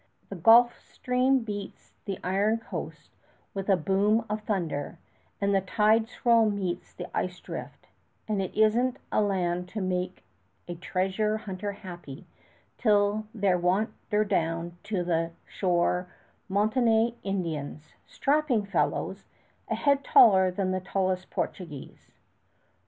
The Gulf Stream beats the iron coast with a boom of thunder, and the tide swirl meets the ice drift; and it isn't a land to make a treasure hunter happy till there wander down to the shore Montaignais Indians, strapping fellows, a head taller than the tallest Portuguese.